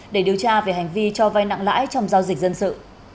để điều tra về hành vi cho vai nặng lãi trong giao dịch dân sự